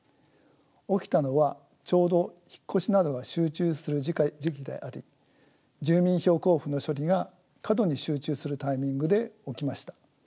起きたのはちょうど引っ越しなどが集中する時期であり住民票交付の処理が過度に集中するタイミングで起きました。